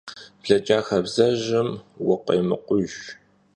Bleç'a xabzejım vukhêmıkhujj.